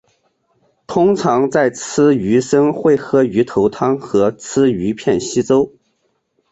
通常在吃鱼生会喝鱼头汤和吃鱼片稀粥。